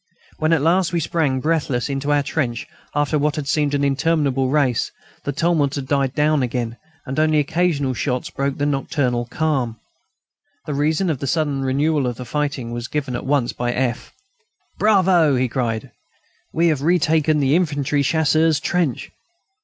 When at last we sprang breathless into our trench after what had seemed an interminable race, the tumult had died down again and only occasional shots broke the nocturnal calm. The reason of the sudden renewal of the fighting was given at once by F. "Bravo!" he cried; "we have retaken the infantry Chasseurs' trench!"